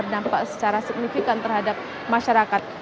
ini juga tidak berdampak secara signifikan terhadap masyarakat